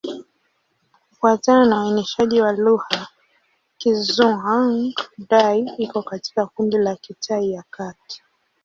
Kufuatana na uainishaji wa lugha, Kizhuang-Dai iko katika kundi la Kitai ya Kati.